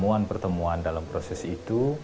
pertemuan pertemuan dalam proses itu